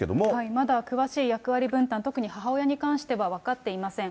まだ詳しい役割分担、特に母親に関しては分かっていません。